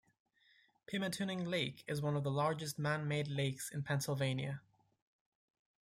Pymatuning Lake is one of the largest man-made lakes in Pennsylvania.